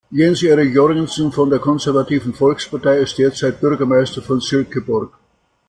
Jens Erik Jørgensen von der konservativen Volkspartei ist derzeit Bürgermeister von Silkeborg.